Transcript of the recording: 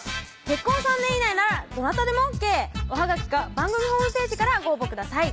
結婚３年以内ならどなたでもＯＫおはがきか番組ホームページからご応募ください